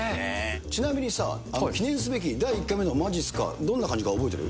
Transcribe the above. ちなみにさ、記念すべき第１回目のまじっすか、どんな感じか覚えてる？